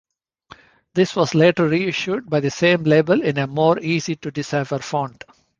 This was later reissued by the same label in a more easy-to-decipher font.